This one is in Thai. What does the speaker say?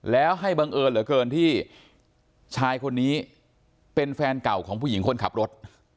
แล้วให้บังเอิญเหลือเกินที่ชายคนนี้เป็นแฟนเก่าของผู้หญิงคนขับรถ